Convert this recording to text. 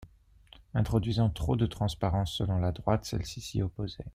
Introduisant trop de transparence selon la droite, celle-ci s'y opposait.